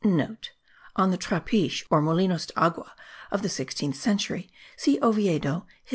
*(* On the trapiches or molinos de agua of the sixteenth century see Oviedo, Hist.